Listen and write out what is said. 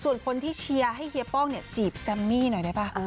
ส่วนคนที่เชียร์ให้เฮียป้องเนี่ยจีบแซมมี่หน่อยได้ป่ะ